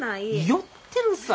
寄ってるさ。